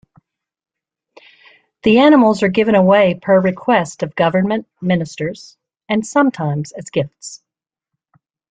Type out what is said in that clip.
The animals are given away per request of government ministers and sometimes as gifts.